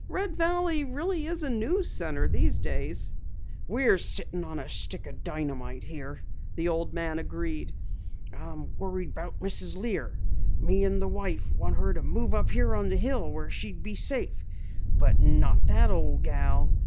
"Red Valley really is a news center these days." "We're sittin' on a stick o' dynamite here," the old man agreed. "I'm worried about Mrs. Lear. Me and the wife want her to move up here on the hill where she'd be safe, but not that ole gal.